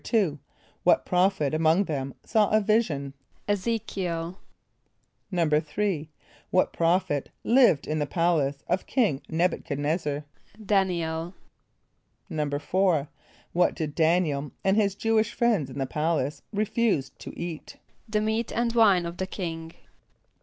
= What prophet among them saw a vision? =[+E] z[=e]´k[)i] el.= =3.= What prophet lived in the palace of King N[)e]b u chad n[)e]z´zar? =D[)a]n´iel.= =4.= What did D[)a]n´iel and his Jew´[)i]sh friends in the palace refuse to eat? =The meat and wine of the king.